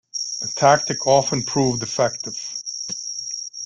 This tactic often proved effective.